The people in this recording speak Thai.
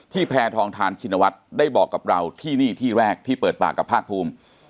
แพทองทานชินวัฒน์ได้บอกกับเราที่นี่ที่แรกที่เปิดปากกับภาคภูมิ